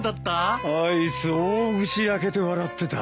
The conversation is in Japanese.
あいつ大口開けて笑ってた。